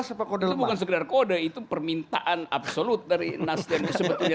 itu bukan sekedar kode itu permintaan absolut dari nasdem ini sebetulnya